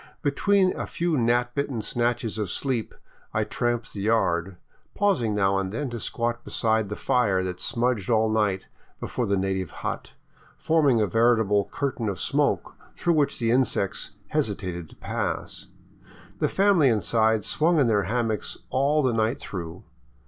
Between a few gnat bitten snatches of sleep I tramped the yard, pausing now and then to squat beside the fire that smudged all night before the native hut, forming a veritable curtain of smoke through which the insects hesitated to pass. The family inside swung in their hammocks all the night through.